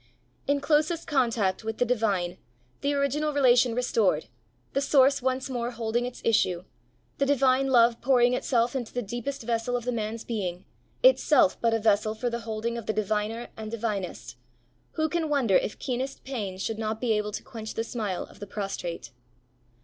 In closest contact with the divine, the original relation restored, the source once more holding its issue, the divine love pouring itself into the deepest vessel of the man's being, itself but a vessel for the holding of the diviner and divinest, who can wonder if keenest pain should not be able to quench the smile of the prostrate!